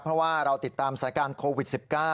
เพราะว่าเราติดตามสถานการณ์โควิด๑๙